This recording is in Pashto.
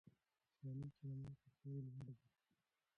انساني کرامت تر ټولو لوړ دی.